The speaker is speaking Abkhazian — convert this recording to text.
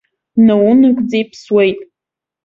Наунагӡа иԥсуеит.